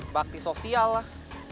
bakti sosial lah